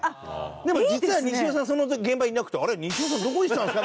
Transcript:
でも実は西尾さんその時現場いなくて「あれ？西尾さんどこ行ったんすか？」